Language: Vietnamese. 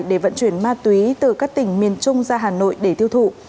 để vận chuyển ma túy từ các tỉnh miền trung ra hà nội để tiêu thụ